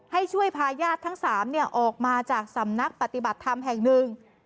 ให้ช่วยพาญาติทั้ง๓ออกมาจากสำนักปฏิบัติธรรมแห่งหนึ่ง